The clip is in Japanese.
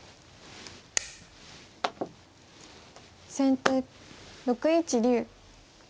先手６一竜。